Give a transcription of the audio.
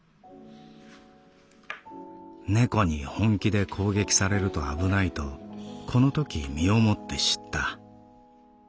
猫に本気で攻撃されると危ないとこのとき身をもって知った。